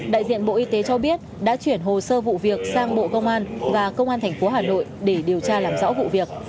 đại diện bộ y tế cho biết đã chuyển hồ sơ vụ việc sang bộ công an và công an tp hà nội để điều tra làm rõ vụ việc